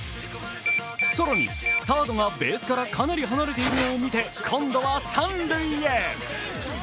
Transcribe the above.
更にサードがベースからかなり離れているのを見て今度は三塁へ。